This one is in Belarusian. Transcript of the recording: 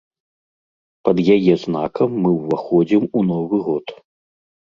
Пад яе знакам мы ўваходзім у новы год.